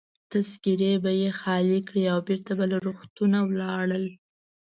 تذکیرې به يې خالي کړې او بیرته به له روغتونه ولاړل.